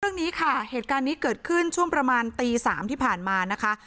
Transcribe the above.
เรื่องนี้ค่ะเหตุการณ์นี้เกิดขึ้นช่วงประมาณตีสามที่ผ่านมานะคะ